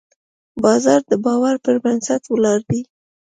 بازار د باور پر بنسټ ولاړ دی.